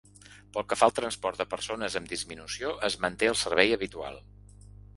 Pel que fa al transport de persones amb disminució es manté el servei habitual.